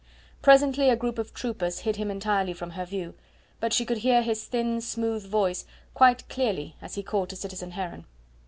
Presently a group of troopers hid him entirely from her view, but she could hear his thin, smooth voice quite clearly as he called to citizen Heron.